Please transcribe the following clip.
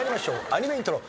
アニメイントロ。